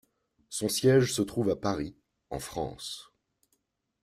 Son siège se trouve à Paris, en France.